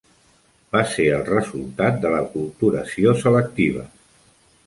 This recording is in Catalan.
Va ser el resultat de l'aculturació selectiva.